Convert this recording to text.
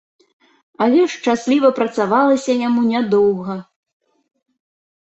Але шчасліва працавалася яму нядоўга.